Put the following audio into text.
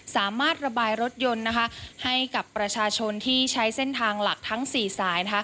สามารถระบายรถยนต์ให้กับประชาชนที่ใช้เส้นทางหลักทั้ง๔สาย